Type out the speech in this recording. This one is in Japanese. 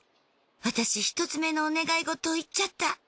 私１つ目のお願い事を言っちゃった。